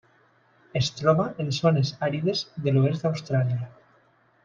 Es troba en zones àrides de l'oest d'Austràlia.